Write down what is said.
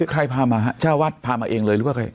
ใครพามาฮะเจ้าวัดพามาเองเลยหรือว่าใคร